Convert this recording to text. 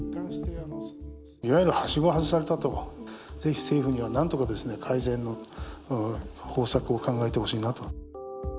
いわゆるはしごを外されたと、ぜひ政府にはなんとか改善の方策を考えてほしいなと。